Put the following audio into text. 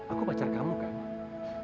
aku pacar kamu kan